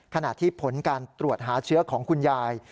ขณะที่ผลการตรวจหาเชื้อของคุณยาย